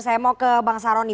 saya mau ke bang saroni